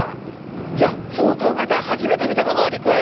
いやそう考えたら初めて見たかもアリクイ。